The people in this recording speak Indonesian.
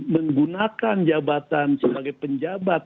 menggunakan jabatan sebagai penjabat